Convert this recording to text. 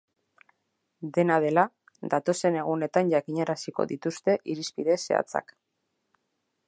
Dena dela, datozen egunetan jakinaraziko dituzte irizpide zehatzak.